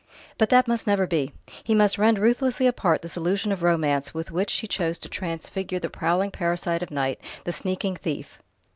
But that must never be. He must rend ruthlessly apart this illusion of romance with which she chose to transfigure the prowling parasite of night, the sneaking thief....